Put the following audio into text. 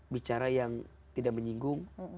bicara yang tidak menyinggung